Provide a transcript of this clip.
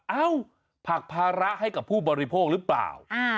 เอ้าผลักภาระให้กับผู้บริโภคหรือเปล่า